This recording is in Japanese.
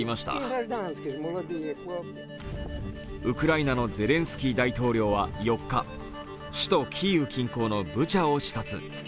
ウクライナのゼレンスキー大統領は４日、首都キーウ近郊のブチャを視察。